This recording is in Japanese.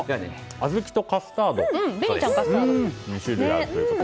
あずきとカスタード２種類あるということで。